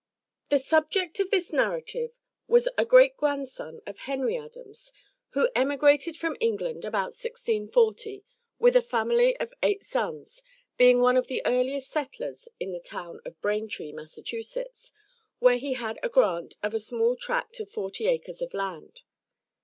The subject of this narrative was a great grandson of Henry Adams, who emigrated from England about 1640, with a family of eight sons, being one of the earliest settlers in the town of Braintree, Massachusetts, where he had a grant of a small tract of forty acres of land.